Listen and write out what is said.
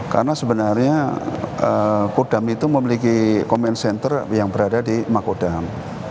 karena sebenarnya kodam itu memiliki command center yang berada di makodam